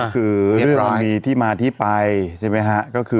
คือเรื่องราวมีที่มาที่ไปใช่ไหมฮะ